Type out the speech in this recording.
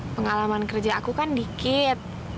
pengalaman kerja aku kan dikit